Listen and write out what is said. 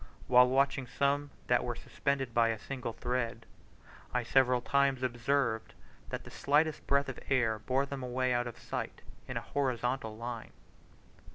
While watching some that were suspended by a single thread, I several times observed that the slightest breath of air bore them away out of sight, in a horizontal line.